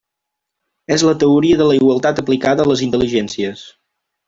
És la teoria de la igualtat aplicada a les intel·ligències.